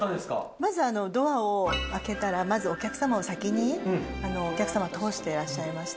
まずドアを開けたらまずお客様を先にお客様通してらっしゃいました